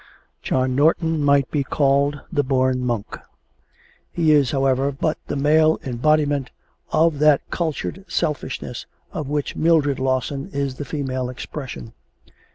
John Norton might be called the born monk. He is, however, but the male embodiment of that cultured selfishness of which Mildred Lawson is the female expression.